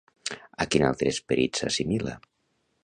A quin altre esperit s'assimila?